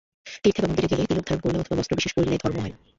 তীর্থে বা মন্দিরে গেলে, তিলকধারণ করিলে অথবা বস্ত্রবিশেষ পরিলে ধর্ম হয় না।